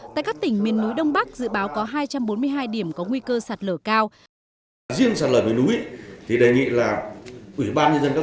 tại các tỉnh miền núi đông bắc dự báo có hai trăm bốn mươi hai điểm có nguy cơ sạt lở cao